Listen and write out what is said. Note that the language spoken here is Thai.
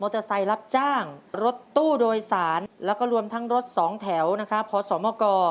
เตอร์ไซค์รับจ้างรถตู้โดยสารแล้วก็รวมทั้งรถสองแถวนะคะขอสมก